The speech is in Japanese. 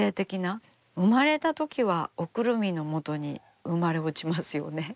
生まれたときはおくるみのもとに生まれ落ちますよね。